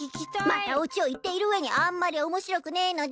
またオチを言っている上にあんまり面白くねいのでぃす。